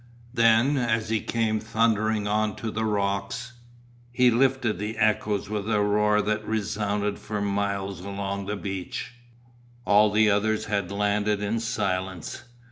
Then, as he came thundering on to the rocks, he lifted the echoes with a roar that resounded for miles along the beach. All the others had landed in silence.